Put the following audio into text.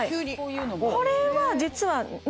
これは実は。